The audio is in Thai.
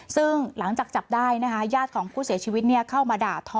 ซึ่งหลังจากจับได้นะคะญาติของผู้เสียชีวิตเข้ามาด่าทอ